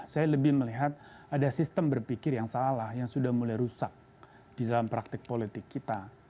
saya lebih melihat ada sistem berpikir yang salah yang sudah mulai rusak di dalam praktik politik kita